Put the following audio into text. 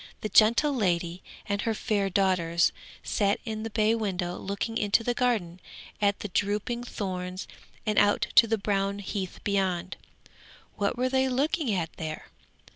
The gentle lady and her fair daughters sat in the bay window looking into the garden at the drooping thorns and out to the brown heath beyond. What were they looking at there?